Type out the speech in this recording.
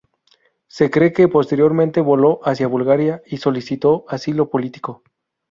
Se cree que posteriormente voló hacia Bulgaria y solicitó asilo político.